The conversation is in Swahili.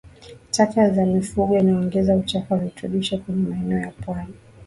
Taka ya mifugo inaongeza uchafuzi wa virutubisho kwenye maeneo ya pwani